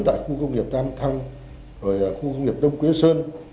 tại khu công nghiệp tam thăng khu công nghiệp đông quế sơn